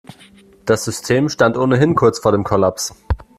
Das System stand ohnehin kurz vor dem Kollaps.